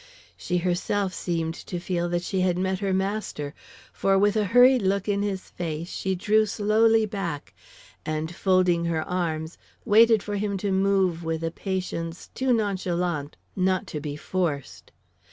She herself seemed to feel that she had met her master; for, with a hurried look in his face, she drew slowly back, and, folding her arms, waited for him to move with a patience too nonchalant not to be forced.